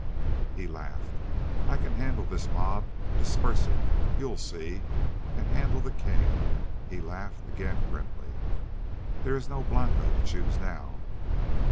He laughed. "I can handle this mob. Disperse it! You'll see! And handle the king." He laughed again grimly. "There is no Blanca to choose now."